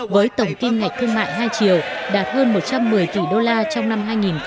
với tổng kim ngạch thương mại hai triệu đạt hơn một trăm một mươi tỷ đô la trong năm hai nghìn một mươi tám